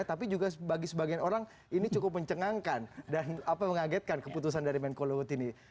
tapi juga bagi sebagian orang ini cukup mencengangkan dan mengagetkan keputusan dari menko luhut ini